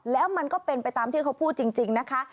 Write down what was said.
แล้วมันก็เป็นไปตามที่เขาพูดจริงนะคะ